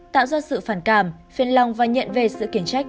tạo ra sự phản cảm phiền lòng và nhận về sự kiển trách